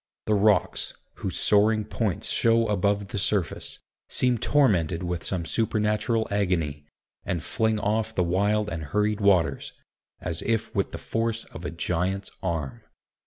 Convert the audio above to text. The rocks, whose soaring points show above the surface, seem tormented with some supernatural agony, and fling off the wild and hurried waters, as if with the force of a giant's arm.